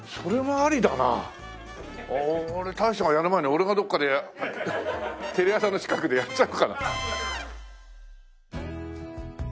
俺大将がやる前に俺がどこかでテレ朝の近くでやっちゃおうかな。